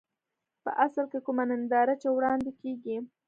په اصل کې کومه ننداره چې وړاندې کېږي.